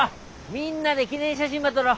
みんなで記念写真ば撮ろ。